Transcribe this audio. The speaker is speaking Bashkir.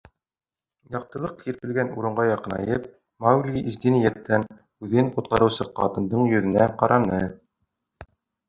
Яҡтылыҡ һирпелгән урынға яҡынайып, Маугли изге ниәттән үҙен ҡотҡарыусы ҡатындың йөҙөнә ҡараны.